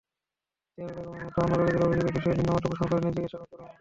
দেবা বেগমের মতো অন্য রোগীদের অভিযোগের বিষয়ে ভিন্নমত পোষণ করেননি চিকিৎসক আবদুর রহমানও।